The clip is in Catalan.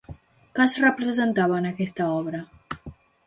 Que es representava en aquesta obra?